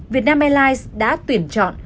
việt nam airlines đã tuyển chọn